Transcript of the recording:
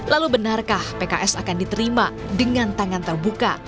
lalu benarkah pks akan diterima dengan tangan terbuka